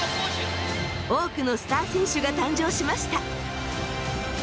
多くのスター選手が誕生しました。